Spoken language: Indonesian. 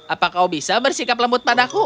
apa kau bisa bersikap lembut padaku